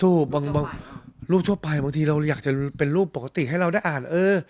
บางรูปทั่วไปบางทีเราอยากจะเป็นรูปปกติให้เราได้อ่านเออ